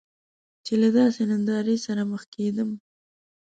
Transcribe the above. چې له داسې نندارې سره مخ کیدم.